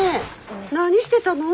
何してたの？